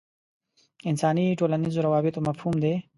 انساني ټولنیزو روابطو مفهوم دی.